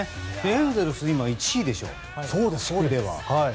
エンゼルスは今、１位でしょ。